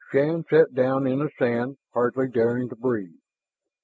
Shann sat down in the sand, hardly daring to breathe.